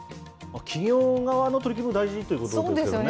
企業側の取り組みが大事ということですよね。